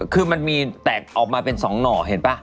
คือมันมีแตกออกมาเป็น๒หน่อเห็นป่ะ